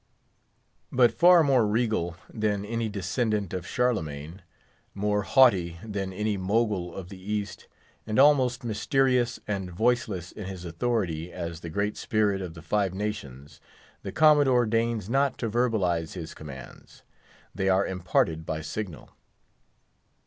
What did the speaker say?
But far more regal than any descendant of Charlemagne, more haughty than any Mogul of the East, and almost mysterious and voiceless in his authority as the Great Spirit of the Five Nations, the Commodore deigns not to verbalise his commands; they are imparted by signal.